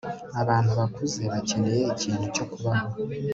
abantu bakuze bakeneye ikintu cyo kubaho